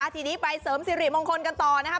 ทีนี้ไปเสริมสิริมงคลกันต่อนะคะ